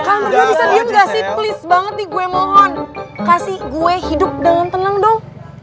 kamu bisa lihat gak sih please banget di gue mohon kasih gue hidup dengan tenang dong